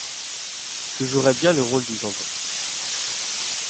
je jouerais bien le rôle du jambon.